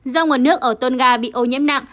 do nguồn nước ở tonga bị ô nhiễm nặng